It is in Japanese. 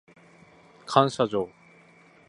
感謝状